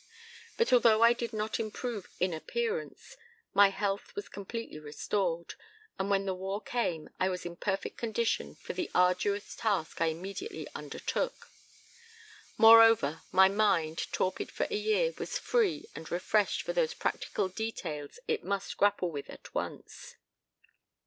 But, although I did not improve in appearance, my health was completely restored, and when the war came I was in perfect condition for the arduous task I immediately undertook. Moreover, my mind, torpid for a year, was free and refreshed for those practical details it must grapple with at once.